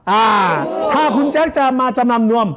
อ่าถ้าคุณแจ๊คจะมาจำนำนวม